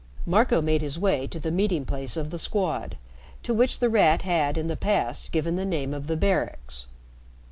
Marco made his way to the meeting place of the Squad, to which The Rat had in the past given the name of the Barracks.